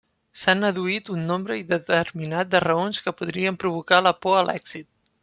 S'han adduït un nombre indeterminat de raons que podrien provocar la por a l'èxit.